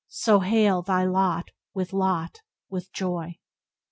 So hail thy lot with lot with joy."